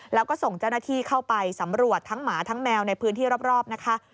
แล้วก็ส่งเจ้าหน้าที่เข้าไปสำรวจทั้งหมาทั้งแมวในพื้นที่รอบนะคะ